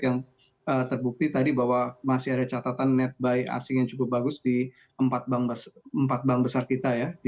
yang terbukti tadi bahwa masih ada catatan netbuy asing yang cukup bagus di empat bank besar kita ya